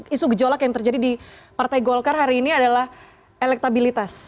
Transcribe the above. isu gejolak yang terjadi di partai golkar hari ini adalah elektabilitas